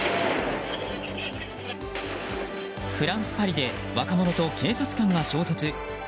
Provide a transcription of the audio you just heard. フランス・パリで若者と警察官が衝突。